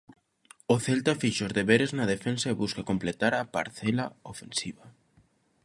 O Celta fixo os deberes na defensa e busca completar a parcela ofensiva.